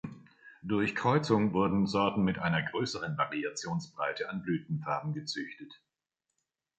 Durch Kreuzung wurden Sorten mit einer größeren Variationsbreite an Blütenfarben gezüchtet.